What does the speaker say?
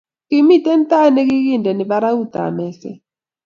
kimiten tait nigikindeno barautab meset